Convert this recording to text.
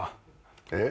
えっ？